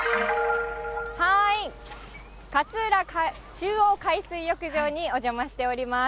中央海水浴場にお邪魔しております。